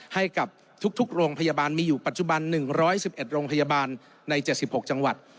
ให้กับทุกโรงพยาบาลมีอยู่ปัจจุบัน๑๑๑โรงพยาบาลใน๗๖จังหวัด